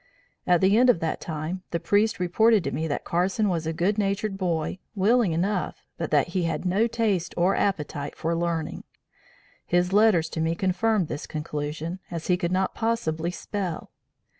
At the end of that time, the Priest reported to me that Carson was a good natured boy, willing enough, but that he had no taste or appetite for learning. His letters to me confirmed this conclusion, as he could not possibly spell.